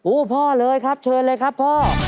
พ่อเลยครับเชิญเลยครับพ่อ